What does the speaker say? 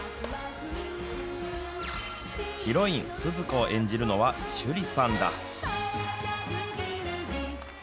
ヒロイン、スズ子を演じるのは趣里さんだ。